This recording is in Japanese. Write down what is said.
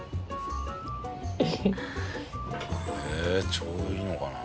ちょうどいいのかな？